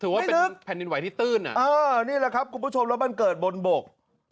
ถือว่าเป็นแผ่นดินไหวที่ตื้นอ่ะเออนี่แหละครับคุณผู้ชมแล้วมันเกิดบนบก